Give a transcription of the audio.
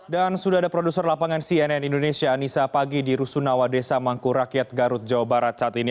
dan sudah ada produser lapangan cnn indonesia anissa pagi di rusunawa desa mangku rakyat garut jawa barat saat ini